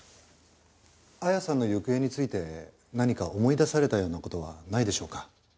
彩矢さんの行方について何か思い出されたような事はないでしょうか？